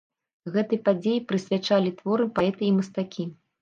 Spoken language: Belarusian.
Гэтай падзеі прысвячалі творы паэты і мастакі.